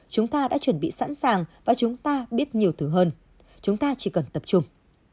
chúng ta đã chuẩn bị sẵn sàng và chúng ta biết nhiều thứ hơn chúng ta chỉ cần tập trung